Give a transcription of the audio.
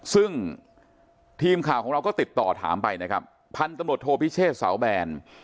ซึ่งทีมข่าวของเราก็ติดต่อถามไปนะครับพันธุ์ตำรวจโทพิเชษเสาแบน